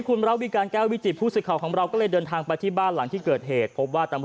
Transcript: เขาไปยิงขนำหรอครับพี่ใช่ไหม